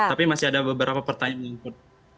tapi masih ada beberapa pertanyaan yang penting